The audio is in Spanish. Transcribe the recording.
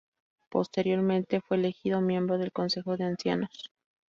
Posteriormente fue elegido miembro del Consejo de Ancianos.